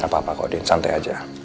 gak apa apa kok din santai aja